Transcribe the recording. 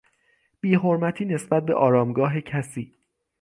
بیحرمتی نسبت به آرامگاه کسی